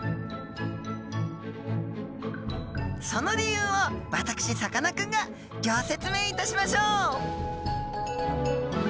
その理由を私さかなクンがギョ説明いたしましょう！